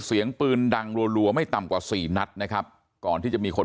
เสียงปืนดังรัวไม่ต่ำกว่าสี่นัดนะครับก่อนที่จะมีคน